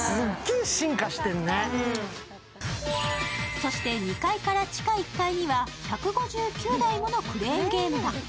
そして２階から地下１階には１５９台ものクレーンゲームが。